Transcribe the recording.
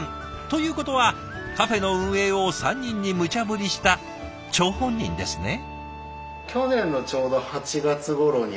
ということはカフェの運営を３人にむちゃぶりした張本人ですね？